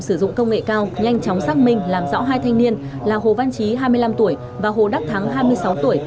sử dụng công nghệ cao nhanh chóng xác minh làm rõ hai thanh niên là hồ văn trí hai mươi năm tuổi và hồ đắc thắng hai mươi sáu tuổi